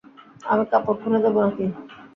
আমি কাপড় খুলে দেব নাকি?